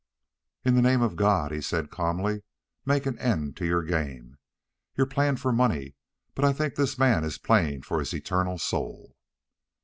"In the name of God," he said calmly, "make an end of your game. You're playing for money, but I think this man is playing for his eternal soul."